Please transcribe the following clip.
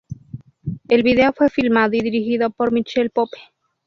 El video fue filmado y dirigido por Michael Pope.